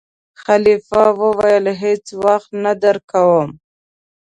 خلیفه وویل: هېڅ وخت نه درکووم.